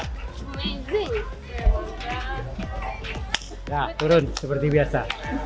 nah turun seperti biasa